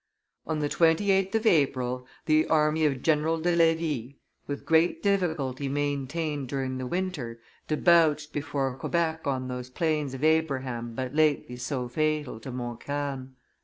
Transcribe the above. On the 28th of April, the army of General de Levis, with great difficulty maintained during the winter, debouched before Quebec on those Plains of Abraham but lately so fatal to Montcalm.